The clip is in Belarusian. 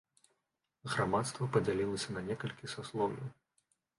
Грамадства падзялялася на некалькі саслоўяў.